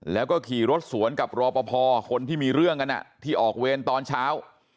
แล้วก็ขี่รถสวนกับรอปภคนที่มีเรื่องกันที่ออกเวรตอนเช้า